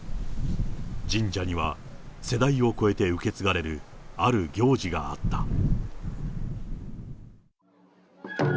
神社には、世代を超えて受け継がれるある行事があった。